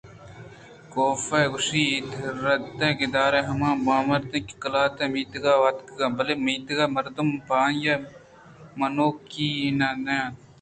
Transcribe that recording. کافکا ءِ گوٛشگ ءِ رِد ءَگِدار ءِ ہما بامرد کہ قلات ءِ میتگ ءَ اتکگ بلئے میتگ ءِ مردم پہ آئی ءَ منّوکی نہ اَنت